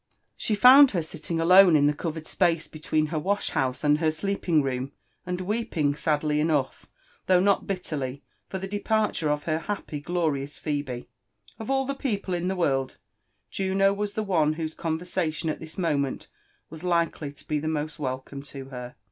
She found her sitting alone in the covered space between her waish house and her sleeping room, and weepin'g sadly enough, though not bitterly, for the departure of her happy glorious" Phebe. Of aU the people in (he world, Jutio was the one whose conversation at this mo ment was likely to be the most welcome to her.